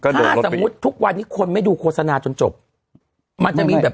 ถ้าสมมุติทุกวันนี้คนไม่ดูโฆษณาจนจบมันจะมีแบบ